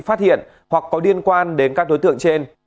phát hiện hoặc có liên quan đến các đối tượng trên